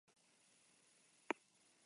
Peru, Bolivia eta Txilen ere aurki daitezke.